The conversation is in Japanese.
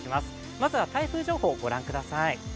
まずは台風情報をご覧ください。